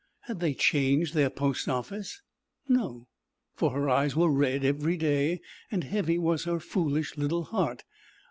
Had they changed their post office? No, for her eyes were red every day, and heavy was her foolish little heart.